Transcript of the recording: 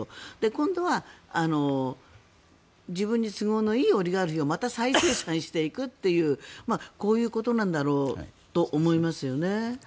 今度は自分に都合のいいオリガルヒをまた再生産していくというこういうことなんだろうと思いますよね。